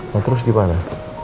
lo terus gimana